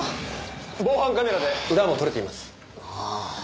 防犯カメラで裏も取れています。